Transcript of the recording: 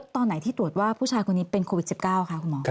ตอนไหนที่ตรวจว่าผู้ชายคนนี้เป็นโควิด๑๙คะคุณหมอ